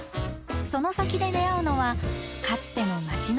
その先で出会うのはかつての街の痕跡。